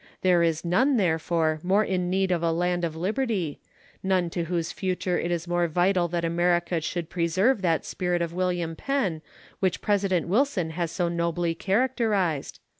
There is none, therefore, more in need of a land of liberty, none to whose future it is more vital that America should preserve that spirit of William Penn which President Wilson has so nobly characterised.